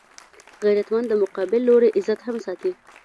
غیرتمند د مقابل لوري عزت هم ساتي